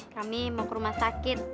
kami mau ke rumah sakit